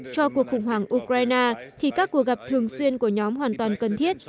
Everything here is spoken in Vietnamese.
cho cuộc khủng hoảng ukraine thì các cuộc gặp thường xuyên của nhóm hoàn toàn cần thiết